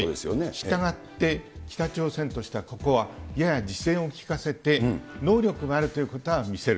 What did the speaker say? したがって、北朝鮮としてはここはやや自制をきかせて、能力があるということは見せる。